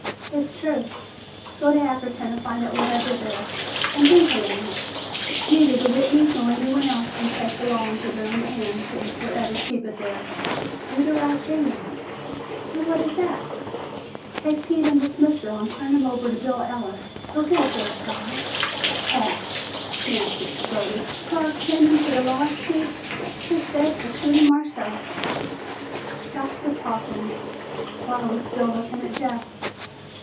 "It's true. Go to Ackerton and find out what I did there. And think a little. Neither the Whitneys nor anyone else can take the law into their own hands and forever keep it there. Do the right thing now." "An' what is that?" "Take Pete into Smithville and turn him over to Bill Ellis. He'll get a fair trial." "Pah!" Yancey exploded. "Give our kin into the law's keep? 'Tis best to shoot him ourselves!" "Stop the talkin'." Barr was still looking at Jeff.